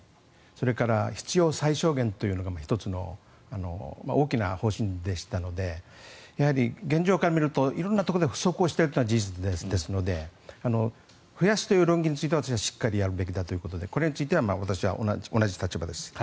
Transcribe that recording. それから必要最小限というのが１つの大きな方針でしたのでやはり現状から見ると色んなところで不足をしているのは事実ですので増やすという論議についてはしっかりやるべきということでこれについては私は同じ立場です。